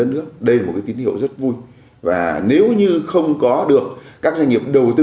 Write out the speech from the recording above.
rau xanh hoa trái